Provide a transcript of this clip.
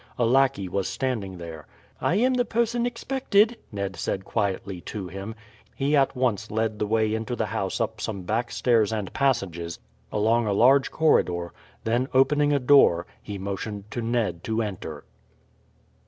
A lackey was standing there. "I am the person expected," Ned said quietly to him. He at once led the way into the house up some back stairs and passages, along a large corridor, then opening a door, he motioned to Ned to enter.